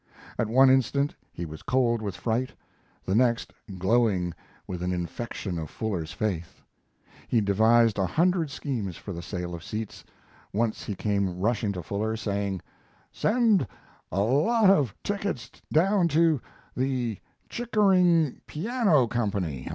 At one instant he was cold with fright, the next glowing with an infection of Fuller's faith. He devised a hundred schemes for the sale of seats. Once he came rushing to Fuller, saying: "Send a lot of tickets down to the Chickering Piano Company.